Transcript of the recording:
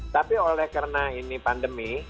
tapi oleh karena ini pandemi